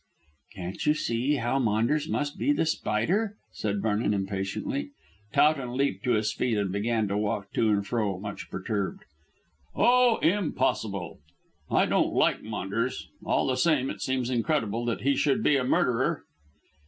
"Can't you see that Maunders must be The Spider?" said Vernon impatiently. Towton leaped to his feet and began to walk to and fro much perturbed. "Oh, impossible! I don't like Maunders; all the same, it seems incredible that he should be a murderer."